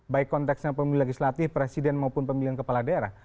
baik konteksnya pemilih legislatif presiden maupun pemilihan kepala daerah